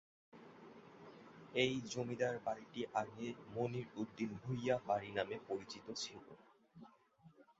এই জমিদার বাড়িটি আগে মনির উদ্দিন ভূঁইয়া বাড়ি নামে পরিচিত ছিল।